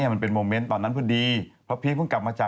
เมื่อพี่พี่เกือบไปละกาทำ